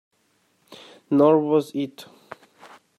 Nor was it.